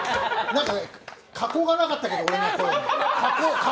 加工がなかったけど、俺の声。